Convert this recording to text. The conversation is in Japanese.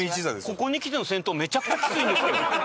ここにきての先頭めちゃくちゃきついんですけど。